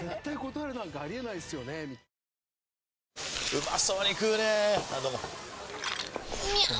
うまそうに食うねぇあどうもみゃう！！